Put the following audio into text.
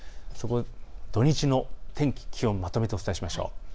土日の天気、気温まとめてお伝えしましょう。